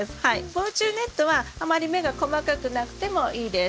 防虫ネットはあまり目が細かくなくてもいいです。